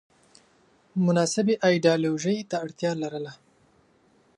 مناسبې ایدیالوژۍ ته اړتیا لرله